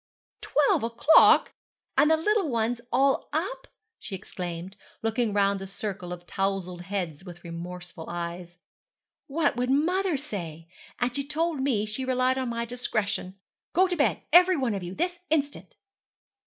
'TWELVE O'CLOCK! and the little ones all up!' she exclaimed, looking round the circle of towzled heads with remorseful eyes. 'What would mother say? And she told me she relied on my discretion! Go to bed, every one of you, this instant!'